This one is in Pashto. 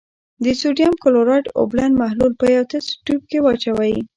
د سوډیم کلورایډ اوبلن محلول په یوه تست تیوب کې واچوئ.